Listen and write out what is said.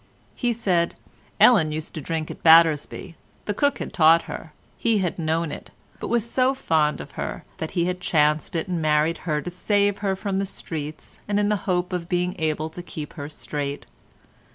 He said, "Ellen had used to drink at Battersby; the cook had taught her; he had known it, but was so fond of her, that he had chanced it and married her to save her from the streets and in the hope of being able to keep her straight.